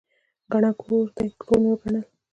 ګڼه کور دی، ټول مې وګڼل.